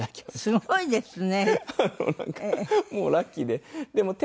すごいですね。